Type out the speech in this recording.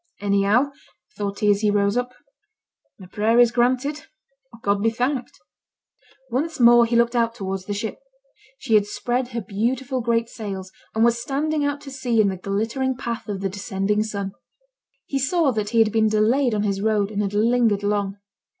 'Anyhow,' thought he, as he rose up, 'my prayer is granted. God be thanked!' Once more he looked out towards the ship. She had spread her beautiful great sails, and was standing out to sea in the glittering path of the descending sun. He saw that he had been delayed on his road, and had lingered long.